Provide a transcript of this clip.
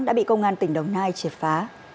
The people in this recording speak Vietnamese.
đã bị công an tỉnh đồng nai chếp phá